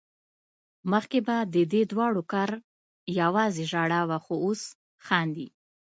مخکې به ددې دواړو کار يوازې ژړا وه خو اوس خاندي